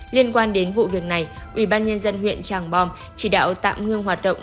liên quan đến vụ việc này ubnd huyện tràng bom chỉ đạo tạm ngưng hoạt động